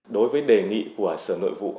đối với đề nghị của sở nội vụ